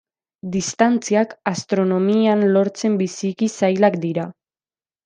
Distantziak, astronomian, lortzen biziki zailak dira.